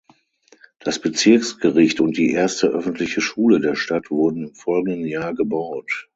Das Bezirksgericht und die erste öffentliche Schule der Stadt wurden im folgenden Jahr gebaut.